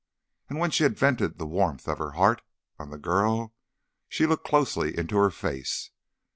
And when she had vented the warmth of her heart on the girl she looked closely into her face.